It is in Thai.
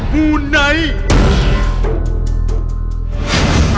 บูนไนท์